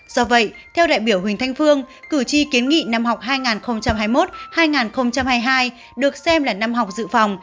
do vậy theo đại biểu huỳnh thanh phương cử tri kiến nghị năm học hai nghìn hai mươi một hai nghìn hai mươi hai được xem là năm học dự phòng